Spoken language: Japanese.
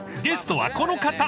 ［ゲストはこの方］